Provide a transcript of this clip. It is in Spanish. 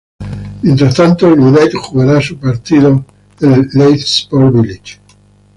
Mientras tanto, el United jugará sus partidos en el Leigh Sports Village.